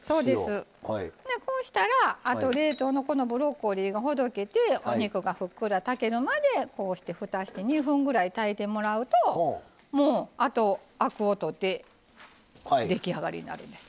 こうしたら、この冷凍のブロッコリーがほどけてお肉がふっくら炊けるまでこうして、ふたをして２分くらい炊いてもらうとあとは、アクを取って出来上がりになるんです。